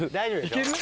いける？